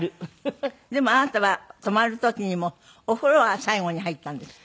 でもあなたは泊まる時にもお風呂は最後に入ったんですって？